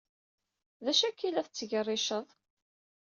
D acu akka ay la tettgerriced?